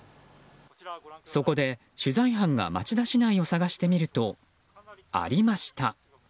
そこで取材班が町田市内を探してみるとありました。